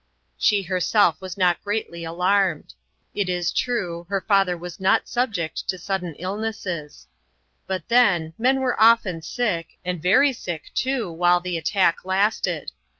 She herself was not greatly alarmed. It is true, her father was not subject to sudden illnesses ; but then, men were often sick, and very sick, too, while the attack lasted.